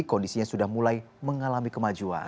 kondisinya sudah mulai mengalami kemajuan